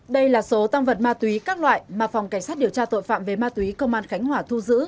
đây là số tăng vật ma túy các loại mà phòng cảnh sát điều tra tội phạm về ma túy công an khánh hòa thu giữ